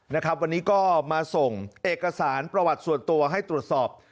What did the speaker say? นะครับวันนี้ก็มาส่งเอกสารประวัติส่วนตัวให้ตรวจสอบ